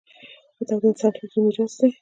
• کتاب د انسان فکري میراث دی.